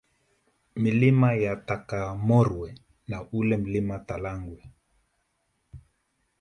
Milima ya Takamorwa na ule Mlima Talagwe